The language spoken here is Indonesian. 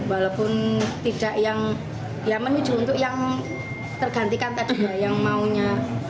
walaupun tidak yang menuju untuk yang tergantikan tadi ya yang maunya